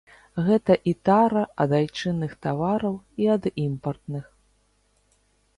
Гэта і тара ад айчынных тавараў, і ад імпартных.